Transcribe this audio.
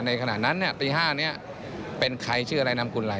ขณะนั้นตี๕นี้เป็นใครชื่ออะไรนามกุลอะไร